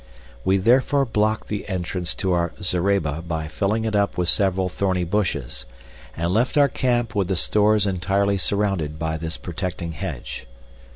We therefore blocked the entrance to our zareba by filling it up with several thorny bushes, and left our camp with the stores entirely surrounded by this protecting hedge.